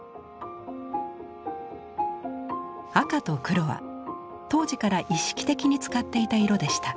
赤と黒は当時から意識的に使っていた色でした。